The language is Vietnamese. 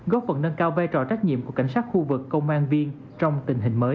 góp phần nâng cao vai trò trách nhiệm của cảnh sát khu vực công an viên trong tình hình mới